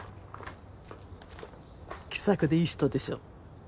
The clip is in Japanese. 気さくでいい人でしょ。